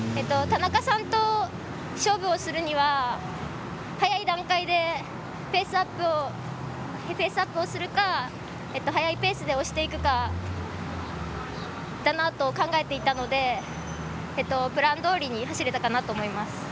田中さんと勝負をするには早い段階でペースアップをするか速いペースで押していくかだなと考えていたのでプランどおりに走れたかなと思います。